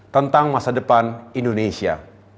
tentang masa depan indonesia